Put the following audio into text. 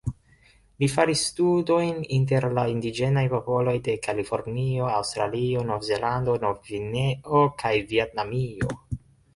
Li faris studojn inter la indiĝenaj popoloj de Kalifornio, Aŭstralio, Novzelando, Novgvineo kaj Vjetnamio.